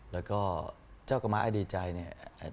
แล้วก็เจ้ากับม้าไอดีใจเนี่ย